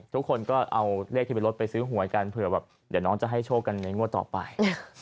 ทุกคนก็เอาเลขที่เป็นรถไปซื้อหวยกันเผื่อแบบเดี๋ยวน้องจะให้โชคกันในงวดต่อไป